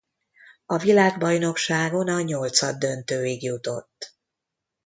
A világbajnokságon a nyolcaddöntőig jutott.